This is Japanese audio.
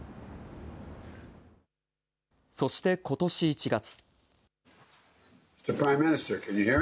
そして、ことし１月。